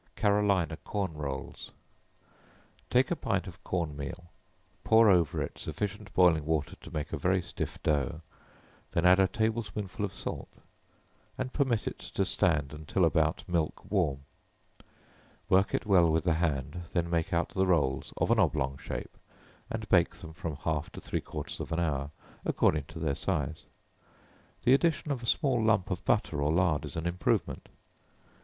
Carolina Corn Rolls. Take a pint of corn meal; pour over it sufficient boiling water to make a very stiff dough, then add a table spoonful of salt, and permit it to stand until about milk warm; work it well with the hand, then make out the rolls, of an oblong shape, and bake them from half to three quarters of an hour, according to their size. The addition of a small lump of butter or lard is an improvement.